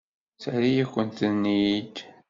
Terra-yakent-ten-id.